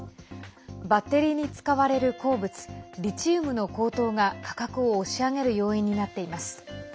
バッテリーに使われる鉱物リチウムの高騰が価格を押し上げる要因になっています。